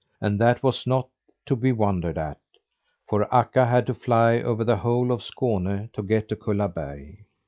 And that was not to be wondered at, for Akka had to fly over the whole of Skåne to get to Kullaberg.